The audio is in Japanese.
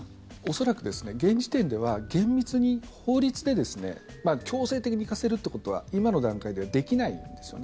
恐らく、現時点では厳密に法律で強制的に行かせるっていうことは今の段階ではできないんですよ。